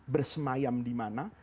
bersemayam di mana